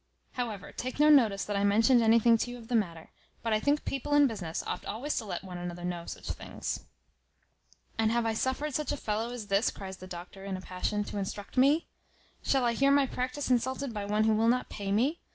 However, take no notice that I mentioned anything to you of the matter; but I think people in business oft always to let one another know such things." "And have I suffered such a fellow as this," cries the doctor, in a passion, "to instruct me? Shall I hear my practice insulted by one who will not pay me?